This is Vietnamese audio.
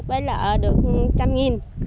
với lợi được trăm nghìn